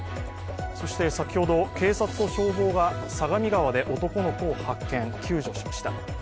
そして、先ほど警察と消防が相模川で男の子を発見、救助しました。